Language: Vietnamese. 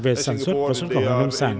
về sản xuất và xuất phẩm của nông sản